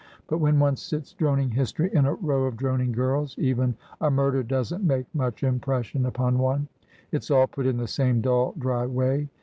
' But when one sits droning history in a row of droning girls, even a murder doesn't make much impression upon one. It's all put in the same dull, dry way.